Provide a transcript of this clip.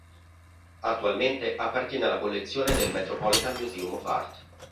Attualmente appartiene alla collezione del Metropolitan Museum of Art.